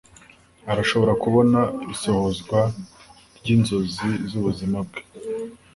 arashobora kubona isohozwa ryinzozi zubuzima bwe